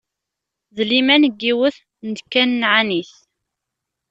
D liman n yiwet n tkanɛanit.